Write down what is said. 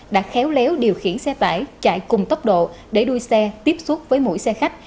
đã khéo léo điều khiển xe tải chạy cùng tốc độ để đuôi xe tiếp xúc với mỗi xe khách